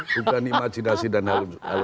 bukan imajinasi dan halusinasi